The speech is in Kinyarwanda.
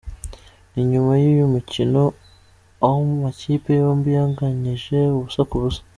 Ni nyuma y’uyu mukino, aho amakipe yombi yanganyije ubusa ku busa.